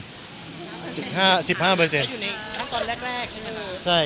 อยู่ในทั้งตอนแรกใช่ไหม